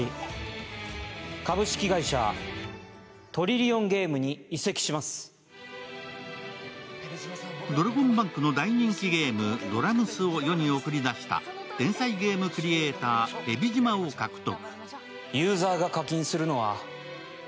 一方、ゲーム開発ではドラゴンバンクの大人気ゲーム「ドラ娘」を世に送り出した天才ゲームクリエーター・蛇島を獲得。